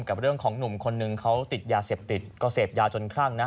กับเรื่องของหนุ่มคนนึงเขาติดยาเสพติดก็เสพยาจนคลั่งนะ